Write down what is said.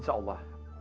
doakan saja bu hasan